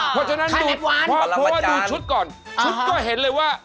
คันแท็บวันบันจันทร์พอดูชุดก่อนชุดก็เห็นเลยว่า